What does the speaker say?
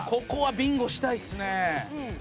ここはビンゴしたいですね。